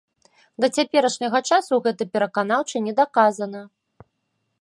Да цяперашняга часу гэта пераканаўча не даказана.